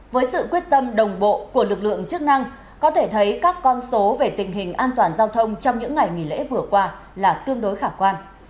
với sự quyết tâm đồng bộ của lực lượng chức năng có thể thấy các con số về tình hình an toàn giao thông trong những ngày nghỉ lễ vừa qua là tương đối khả quan